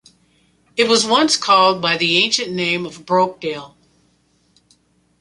It was once called by the ancient name of 'Brokedale'.